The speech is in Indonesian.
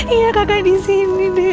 iya kakak disini de